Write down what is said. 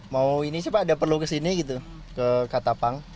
mau ini sih pak ada perlu ke sini gitu ke katapang